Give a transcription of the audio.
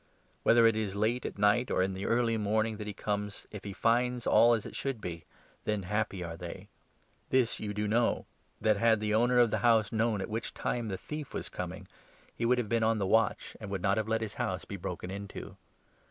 Whether it is late 38 at night, or in the early morning that he comes, if he finds all as it should be, then happy are they. This you do know, 39 that, had the owner of the house known at what time the thief was coming, he would have been on the watch, and would not have let his house be broken into.